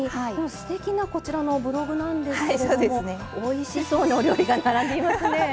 すてきなこちらのブログなんですけれどもおいしそうなお料理が並んでいますね。